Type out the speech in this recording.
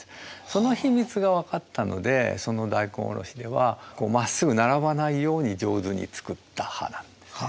その秘密が分かったのでその大根おろしではまっすぐ並ばないように上手に作った刃なんですね。